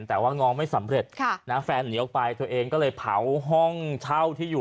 แต่ว่าง้อไม่สำเร็จแฟนหนีออกไปตัวเองก็เลยเผาห้องเช่าที่อยู่